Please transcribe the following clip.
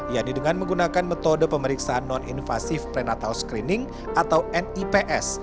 yaitu dengan menggunakan metode pemeriksaan non invasif prenatal screening atau nips